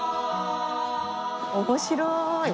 面白い！